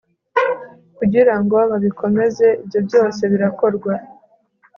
kugira ngo babikomeze; ibyo byose birakorwa